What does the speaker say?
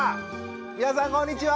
皆さんこんにちは！